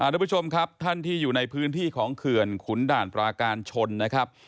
ทุกผู้ชมครับท่านที่อยู่ในพื้นที่ของเขื่อนขุนด่านปราการชนนะครับ